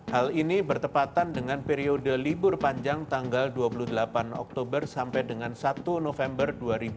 hal ini bertepatan dengan periode libur panjang tanggal dua puluh delapan oktober sampai dengan satu november dua ribu dua puluh